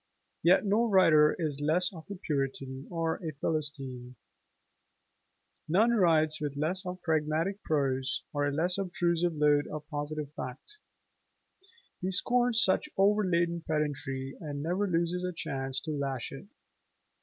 Yet no writer is less of a Puritan or a Philistine; none writes with less of pragmatic purpose or a less obtrusive load of positive fact. He scorns such overladen pedantry, and never loses a chance to lash it.